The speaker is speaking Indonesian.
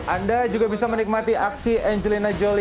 anda juga bisa menikmati aksi angelina jolie